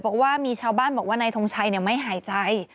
บอกว่ามีชาวบ้านบอกว่านายทงชัยไม่หายใจ